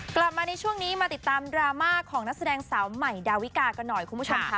กลับมาในช่วงนี้มาติดตามดราม่าของนักแสดงสาวใหม่ดาวิกากันหน่อยคุณผู้ชมค่ะ